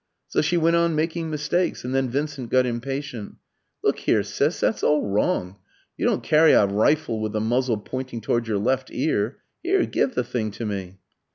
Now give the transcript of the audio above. So she went on making mistakes, and then Vincent got impatient. "Look here, Sis, that's all wrong. You don't carry a rifle with the muzzle pointing towards your left ear. Here, give the thing to me!"